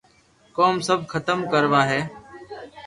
ڪوم سب ختم ڪروہ ھي